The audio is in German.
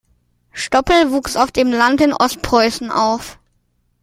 Stoppel wuchs auf dem Land in Ostpreußen auf.